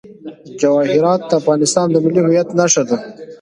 جواهرات د افغانستان د ملي هویت نښه ده.